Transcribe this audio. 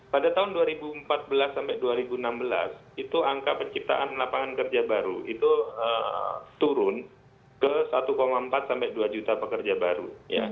pada tahun dua ribu empat belas sampai dua ribu enam belas itu angka penciptaan lapangan kerja baru itu turun ke satu empat sampai dua juta pekerja baru